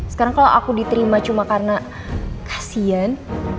sekarang kalo aku diterima cuma karena kasihan